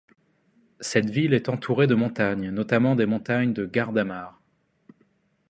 Cette ville est entourée de montagnes, notamment des montagnes de guardamar.